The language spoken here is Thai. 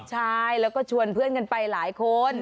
ใช่แล้วก็ชวนเพื่อนกันไปหลายคน